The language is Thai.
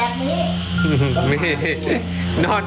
เดี๋ยวผมก็ลองแบบนี้